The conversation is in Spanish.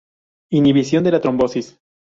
Inhibición de la trombosis.